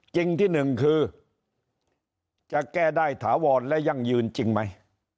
จริงที่หนึ่งคือจะแก้ได้ถาวรและยั่งยืนจริงไหม